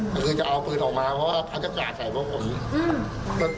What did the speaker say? ก็คือจะเอาปืนออกมาเพราะว่าพัฒนากากใส่พวกผม